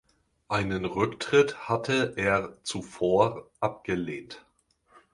Einen Rücktritt hatte er zuvor abgelehnt.